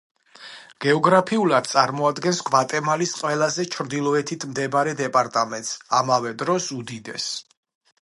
გეოგრაფიულად, წარმოადგენს გვატემალის ყველაზე ჩრდილოეთით მდებარე დეპარტამენტს, ამავე დროს უდიდესს.